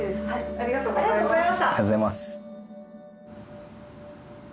ありがとうございます。